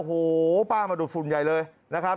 โอ้โหป้ามาดูดฝุ่นใหญ่เลยนะครับ